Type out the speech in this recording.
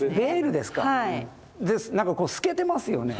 なんかこう透けてますよね。